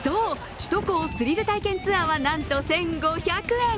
首都高スリル体験ツアーはなんと１５００円。